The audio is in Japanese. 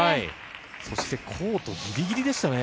そしてコートぎりぎりでしたね。